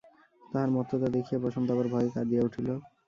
তাহার মত্ততা দেখিয়া বসন্ত আবার ভয়ে কাঁদিয়া উঠিল।